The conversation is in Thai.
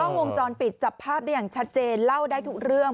วงจรปิดจับภาพได้อย่างชัดเจนเล่าได้ทุกเรื่อง